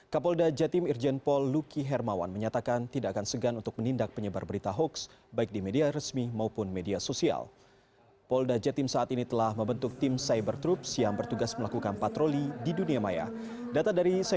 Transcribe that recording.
kapolda jatim irjenpol luki hermawan menyatakan tidak akan segan untuk menindak penyebaran berita hoax